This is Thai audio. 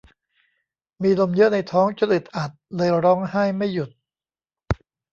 มีลมเยอะในท้องจนอึดอัดเลยร้องไห้ไม่หยุด